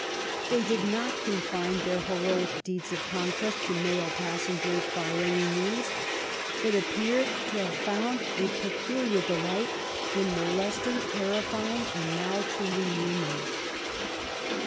They did not confine their heroic deeds of conquest to male passengers by any means, but appear to have found a peculiar delight in molesting, terrify ing, and maltreating women.